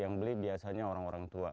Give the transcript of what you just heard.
yang beli biasanya orang orang tua